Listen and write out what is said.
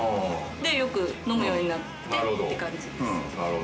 よく飲むようになってって感じです。